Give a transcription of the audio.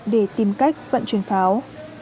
để tìm cách vận chuyển pháo